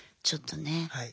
ちょっとね。